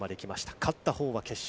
勝ったほうが決勝。